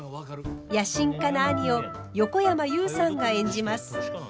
野心家な兄を横山裕さんが演じます。